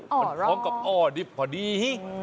มันพร้อมกับอ้อดิบพอดี